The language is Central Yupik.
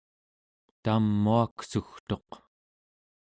tamuaksugtuq